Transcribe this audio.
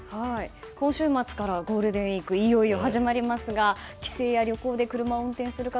今週末からゴールデンウィークがいよいよ始まりますが帰省や旅行で車を運転する方